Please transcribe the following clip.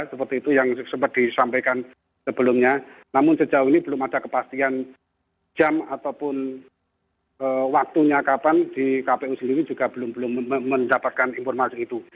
seperti itu yang sempat disampaikan sebelumnya namun sejauh ini belum ada kepastian jam ataupun waktunya kapan di kpu sendiri juga belum mendapatkan informasi itu